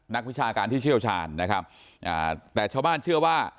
วิชาการที่เชี่ยวชาญนะครับอ่าแต่ชาวบ้านเชื่อว่า